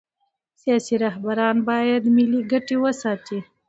سیاسي رهبران باید ملي ګټې وساتي